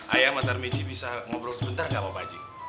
ayah ntar mici bisa ngobrol sebentar gak apa pakcik